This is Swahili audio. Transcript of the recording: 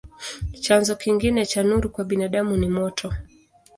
Chanzo kingine cha nuru kwa binadamu ni moto.